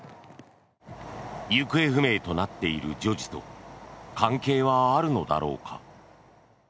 行方不明となっている女児と関係はあるのだろうか。